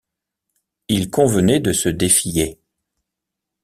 Il convenait de se défier.